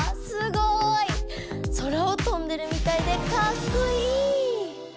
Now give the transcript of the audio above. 空をとんでるみたいでかっこいい！